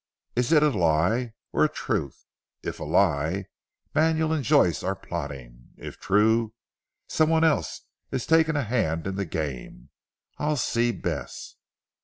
"Is it a lie, or a truth? If a lie, Manuel and Joyce are plotting. If true, someone else is taking a hand in the game. I'll see Bess."